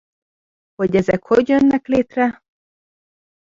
Hogy ezek hogy jönnek létre?